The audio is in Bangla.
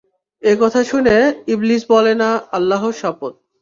একথা শুনে ইবলীস বলে না, আল্লাহর শপথ!